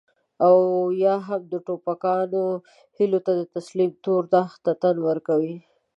او يا هم د ټوپکيانو هيلو ته د تسليم تور داغ ته تن ورکول.